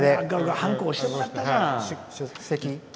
はんこ押してもらったじゃん！